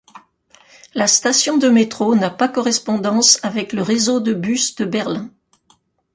La station de métro n'a pas correspondance avec le réseau de bus de Berlin.